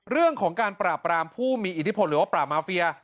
เรื่องของการปราบรามผู้มีอิทธิพลหรือว่าปราบมาเฟีย